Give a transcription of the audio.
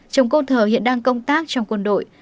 chồng côn thờ hiện đang công tác trong quân đội